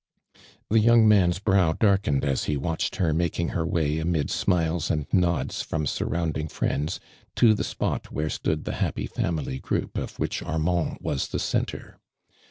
The young man's brow ilarkened as he watched her making her way, amid smiles and nods from surrounding friends, to the spot where stood the happy family group, of which Armand was the centre.